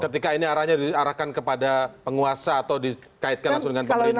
ketika ini arahnya diarahkan kepada penguasa atau dikaitkan langsung dengan pemerintah